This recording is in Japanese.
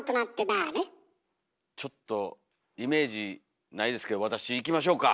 ちょっとイメージないですけど私いきましょうか。